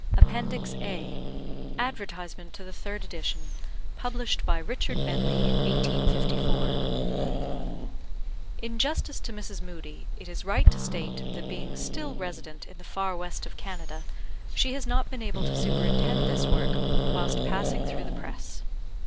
APPENDIX A ADVERTISEMENT TO THE THIRD EDITION Published by Richard Bentley in 1854 In justice to Mrs. Moodie, it is right to state that being still resident in the far west of Canada, she has not been able to superintend this work whilst passing through the press.